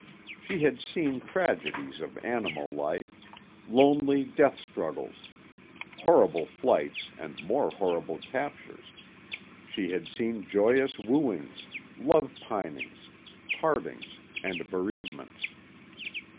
She had seen tragedies of animal life, lonely death struggles, horrible flights and more horrible captures, she had seen joyous wooings, love pinings, partings, and bereavements.